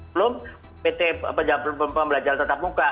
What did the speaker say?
belum pt pembelajaran tetap muka